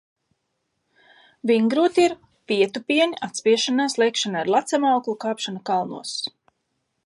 Vingrot ir - pietupieni, atspiešanās, lēkšana ar lecamauklu, kāpšana kalnos.